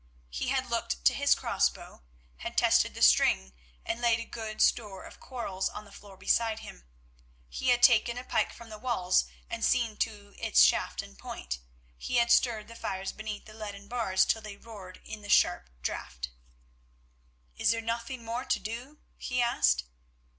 He had looked to his crossbow, had tested the string and laid a good store of quarrels on the floor beside him; he had taken a pike from the walls and seen to its shaft and point; he had stirred the fires beneath the leaden bars till they roared in the sharp draught. "Is there nothing more to do?" he asked.